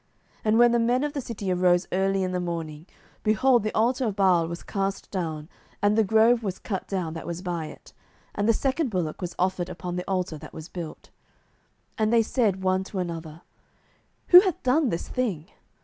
07:006:028 And when the men of the city arose early in the morning, behold, the altar of Baal was cast down, and the grove was cut down that was by it, and the second bullock was offered upon the altar that was built. 07:006:029 And they said one to another, Who hath done this thing?